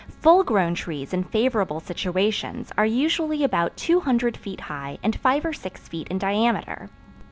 Full grown trees in favorable situations are usually about 200 feet high and five or six feet in diameter.